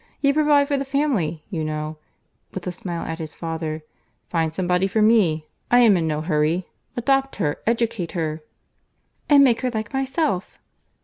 You provide for the family, you know, (with a smile at his father). Find some body for me. I am in no hurry. Adopt her, educate her." "And make her like myself."